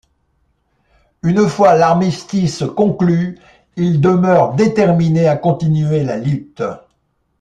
Une fois l’armistice conclu, il demeure déterminé à continuer la lutte.